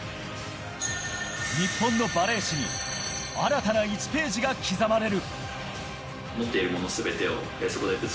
日本のバレー史に新たな１ページが刻まれる。